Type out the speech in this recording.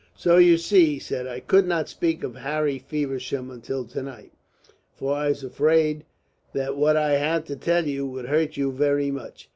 "So you see," he said, "I could not speak of Harry Feversham until to night. For I was afraid that what I had to tell you would hurt you very much.